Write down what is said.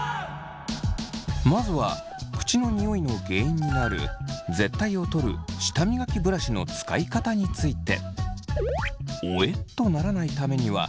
まずは口のニオイの原因になる舌苔を取る舌磨きブラシの使い方について。